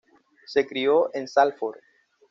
Se crio en Salford.